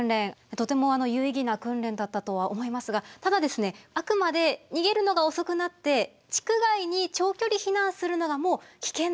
とても有意義な訓練だったとは思いますがただあくまで逃げるのが遅くなって「地区外に長距離避難するのがもう危険だ。